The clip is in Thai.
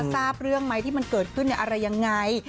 ทราบเรื่องไหมที่มันเกิดขึ้นอะไรยังไง